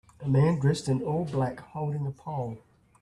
A man dressed in all black holding a pole.